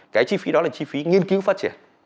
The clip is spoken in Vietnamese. cái chi phí đó là chi phí nghiên cứu phát triển